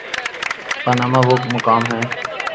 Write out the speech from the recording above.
Panama وہ مقام ہے۔